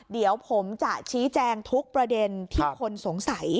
เดี๋ยวผมจะชี้แจงทุกประเด็นที่คนสงสัย